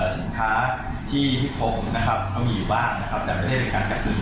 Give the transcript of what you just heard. สนุท้าที่ทริปพร้อมมันต้องมีอยู่บ้าง